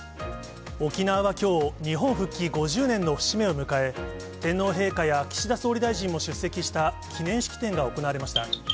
沖縄はきょう、日本復帰５０年の節目を迎え、天皇陛下や岸田総理大臣も出席した記念式典が行われました。